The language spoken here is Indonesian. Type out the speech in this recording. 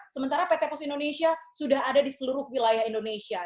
sementara pt pos indonesia sudah ada di seluruh wilayah indonesia